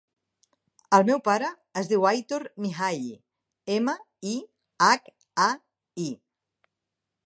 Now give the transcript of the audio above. El meu pare es diu Aitor Mihai: ema, i, hac, a, i.